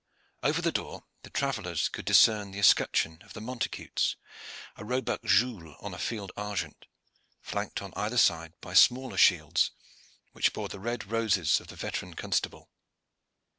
Over the door the travellers could discern the escutcheon of the Montacutes, a roebuck gules on a field argent, flanked on either side by smaller shields which bore the red roses of the veteran constable.